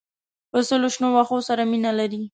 پسه له شنو واښو سره مینه لري.